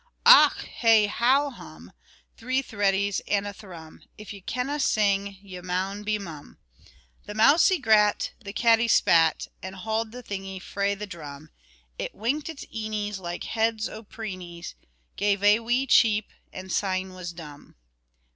Och, hey, how, hum, Three threadies and a thrum: If ye canna sing, ye maun be mum. The mousie grat,[6 (3)] The cattie spat, And hauld the thingie frae the drum: It winked its eenies,[6 (4)] Like heads o' preenies,[6 (5)] Gave ae wee cheep and syne[6 (6)] was dumb.